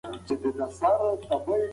پاپانو په هغه وخت کي ډېر واک درلود.